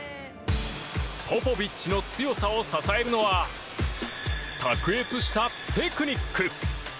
ポポビッチの強さを支えるのは卓越したテクニック。